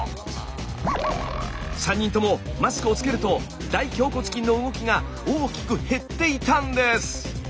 ３人ともマスクをつけると大頬骨筋の動きが大きく減っていたんです！